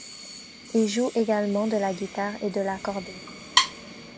Il joue également de la guitare et de l'accordéon.